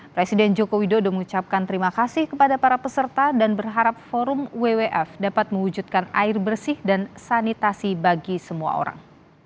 presiden joko widodo mengucapkan terima kasih kepada para peserta dan berharap forum wwf dapat mewujudkan air bersih dan sanitasi bagi semua orang